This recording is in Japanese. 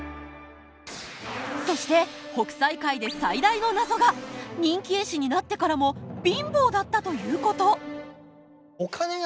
そして北斎回で最大の謎が人気絵師になってからも貧乏だったということ。